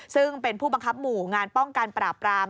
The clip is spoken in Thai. ซึ่งเป็นผู้บังคับหมู่งานป้องกันปราบราม